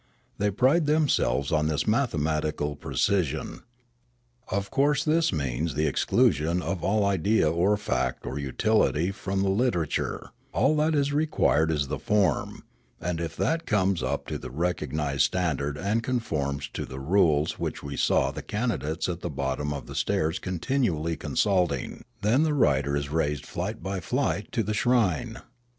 They pride themselves on this mathematical precision. Of course this means the exclusion of all idea or fact or utility from the litera ture; all that is required is the form, and if that comes up to the recognised standard and conforms to the rules which we saw the candidates at the bottom of the stairs continually consulting, then the writer is raised flight by flight to the shrine.